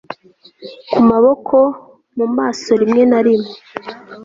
ku maboko, mu maso, rimwe na rimwe